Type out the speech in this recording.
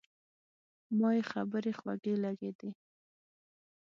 ما یې خبرې خوږې لګېدې.